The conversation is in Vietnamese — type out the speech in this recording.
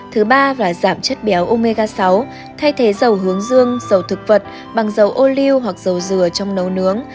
thứ ba là giảm chất béo omega sáu thay thế dầu hướng dương dầu thực vật bằng dầu ô lưu hoặc dầu dừa trong nấu nướng